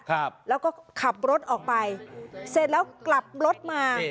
ครับแล้วก็ขับรถออกไปเสร็จแล้วกลับรถมา